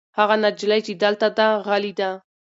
هغه نجلۍ چې دلته ده غلې ده.